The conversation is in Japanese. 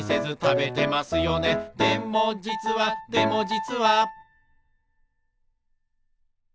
「でもじつはでもじつは」